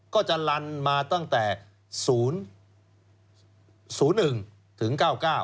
ก็จะลันมาตั้งแต่๐๐๑ถึง๙๙